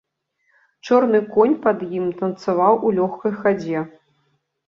Чорны конь пад ім танцаваў у лёгкай хадзе.